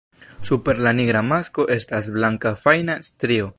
Super la nigra masko estas blanka fajna strio.